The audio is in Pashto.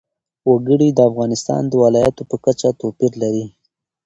وګړي د افغانستان د ولایاتو په کچه توپیر لري.